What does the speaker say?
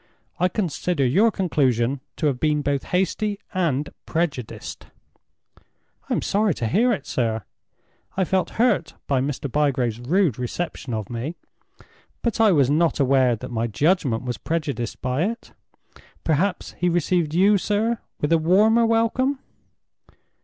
I consider your conclusion to have been both hasty and prejudiced." "I am sorry to hear it, sir. I felt hurt by Mr. Bygrave's rude reception of me, but I was not aware that my judgment was prejudiced by it. Perhaps he received you, sir, with a warmer welcome?"